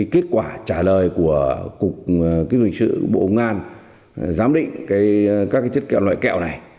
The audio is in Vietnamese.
kết quả trả lời của cục kinh doanh sự bộ ngàn giám định các chất kẹo loại kẹo này